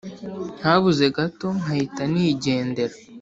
Habuze gato nkahita nigendera